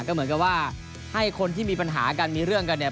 ก็เหมือนกับว่าให้คนที่มีปัญหากันมีเรื่องกันเนี่ย